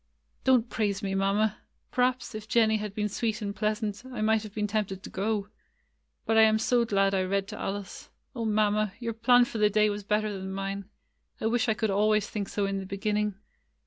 "Don't praise me. Mamma. Perhaps, if Jen nie had been sweet and pleasant, I might have been tempted to go. But I am so glad I read to Alice! O Mamma! your plan for the day was better than mine. I wish I could always think so in the beginning."